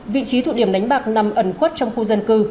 vị trí thụ điểm đánh bạc nằm ẩn khuất trong khu dân cư